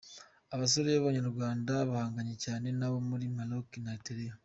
Abasore b’abanyarwanda bahanganye cyane n’abo muri Maroc na Eritrea.